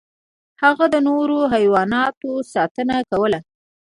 هغه د نورو حیواناتو ساتنه کوله.